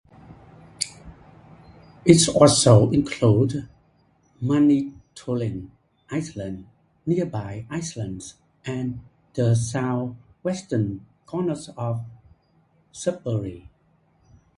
It also included Manitoulin Island, nearby islands, and the southwestern corner of Sudbury.